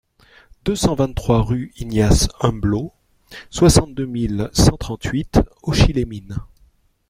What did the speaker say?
deux cent vingt-trois rue Ignace Humblot, soixante-deux mille cent trente-huit Auchy-les-Mines